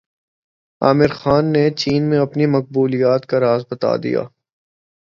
عامر خان نے چین میں اپنی مقبولیت کا راز بتادیا